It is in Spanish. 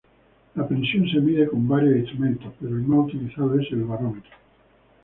La presión se mide con varios instrumentos pero el más utilizado es el barómetro.